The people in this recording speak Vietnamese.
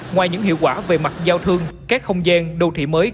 ngoài những hiệu quả về mặt giao thương các không gian đô thị mới